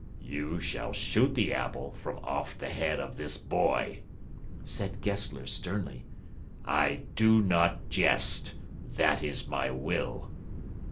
"You shall shoot the apple from off the head of this boy," said Gessler sternly. "I do not jest. That is my will."